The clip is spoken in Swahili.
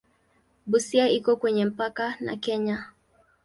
Busia iko kwenye mpaka na Kenya.